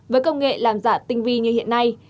với công nghệ làm giả tinh vi như hiện nay